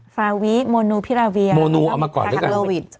ฟาวิโมนูพิราเวียแพคโนวิดแพคโนวิด